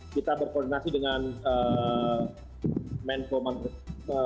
kita berkoordinasi dengan menko man